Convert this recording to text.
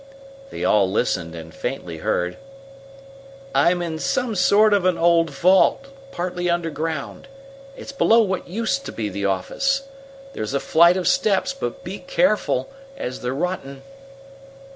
They all listened, and faintly heard: "I'm in some sort of an old vault, partly underground. It's below what used to be the office. There's a flight of steps, but be careful, as they're rotten."